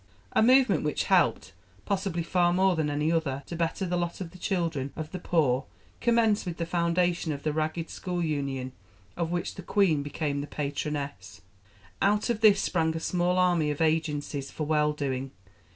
A movement which helped, possibly far more than any other, to better the lot of the children of the Poor commenced with the foundation of the Ragged School Union, of which the Queen became the patroness. Out of this sprang a small army of agencies for well doing.